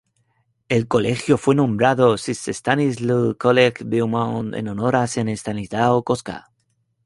El colegio fue nombrado St Stanislaus College, Beaumont, en honor a San Estanislao Kostka.